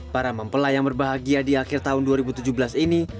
para mempelai yang berbahagia di akhir tahun dua ribu tujuh belas ini